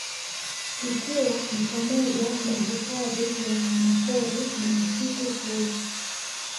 Ikiwa ni pamoja na hifadhi ya wanyamapori na misitu huu